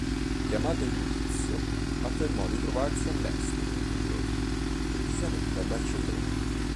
Chiamato in giudizio, affermò di trovarsi all'estero in quei giorni, precisamente a Barcellona.